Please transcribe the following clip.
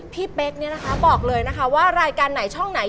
เป๊กเนี่ยนะคะบอกเลยนะคะว่ารายการไหนช่องไหน